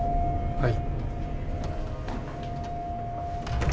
はい。